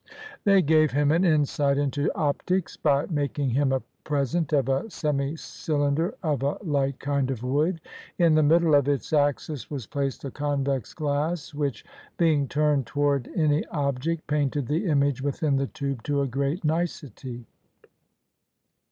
They gave him an insight into optics by making him a present of a semi cylinder of a light kind of wood. In the middle of its axis was placed a convex glass, which, being turned toward any object, painted the image within the tube to a great nicety.